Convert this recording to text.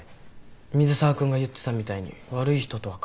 水沢君が言ってたみたいに悪い人とは限らないし。